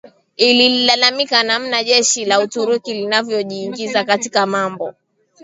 ililalamika namna jeshi la Uturuki linavojiingiza katika mambo